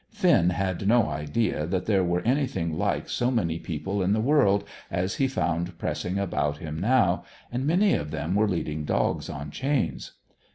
Finn had no idea that there were anything like so many people in the world as he found pressing about him now, and many of them were leading dogs on chains.